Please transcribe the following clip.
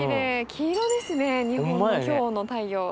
黄色ですね日本の今日の太陽は。